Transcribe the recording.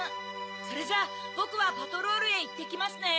・それじゃあボクはパトロルへいってきますね・・